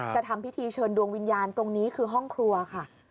ทำพิธีเชิญดวงวิญญาณตรงนี้คือห้องครัวค่ะ